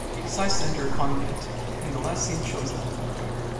She decides to enter a convent and the last scene shows them in prayer.